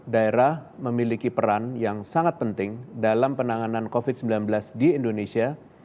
daerah memiliki peran yang sangat penting dalam penanganan covid sembilan belas di indonesia